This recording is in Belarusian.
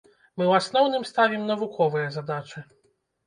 Мы ў асноўным ставім навуковыя задачы.